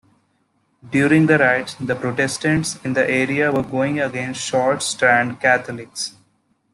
During the riots, the Protestants in the area were going against Short Strand Catholics.